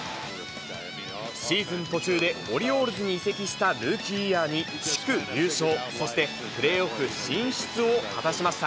シーズン途中でオリオールズに移籍したルーキーイヤーに、地区優勝、そしてプレーオフ進出を果たしました。